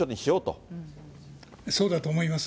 そうだと思います。